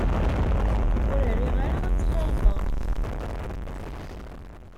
Ur riɣ ara ad t-xalḍeɣ.